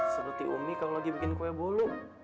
seperti umi kalau lagi bikin kue bolu